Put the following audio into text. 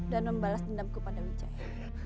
dan membalas dendamku pada wijaya